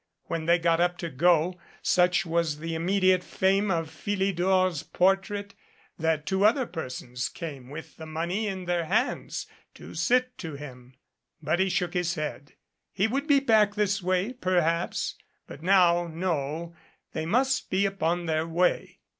When they got up to go, such was the im mediate fame of Philidor's portrait, that two other persons came with the money in their hands to sit to him. But he shook his head. He would be back this way, perhaps but now no they must be upon their way.